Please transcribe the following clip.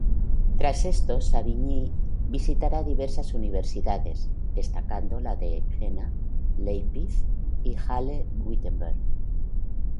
Tras esto, Savigny visitará diversas universidades, destacando la de Jena, Leipzig y Halle-Wittenberg.